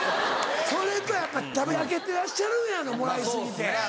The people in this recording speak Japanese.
それとやっぱ食べ飽きてらっしゃるやろもらい過ぎて。